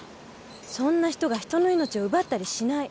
そんな人が人の命を奪ったりしない。